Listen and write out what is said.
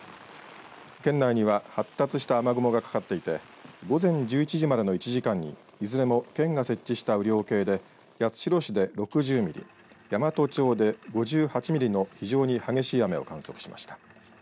県内には発達した雨雲がかかっていて午前１１時までの１時間にいずれも県が設置した雨量計で八代市で６０ミリ山都町で５８ミリの非常に激しい雨を観測しました。